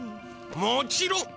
もちろん！